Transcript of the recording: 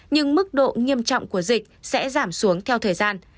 nhưng mức độ nghiêm trọng của dịch sẽ giảm xuống theo thời gian